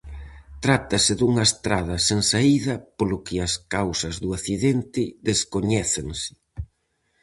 Trátase dunha estrada sen saída polo que as causas do accidente descoñécense.